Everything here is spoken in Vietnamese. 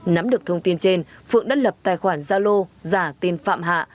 nắm được thông tin trên phượng đã lập tài khoản gia lô giả tin phạm hạ